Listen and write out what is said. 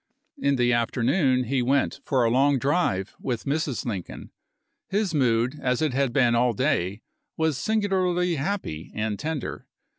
In the afternoon he went for a long drive with Mrs. Lincoln. His mood, as it had been all day, was singularly happy and tender.